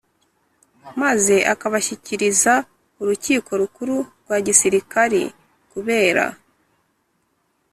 maze akabashyikiriza urukiko rukuru rwa gisirikari kubera